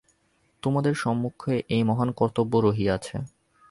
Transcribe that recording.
তোমাদের সম্মুখে এই মহান কর্তব্য রহিয়াছে।